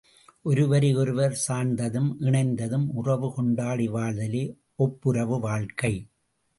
ஒருவரை ஒருவர் சார்ந்தும் இணைந்தும் உறவு கொண்டாடி வாழ்தலே ஒப்புரவு வாழ்க்கை!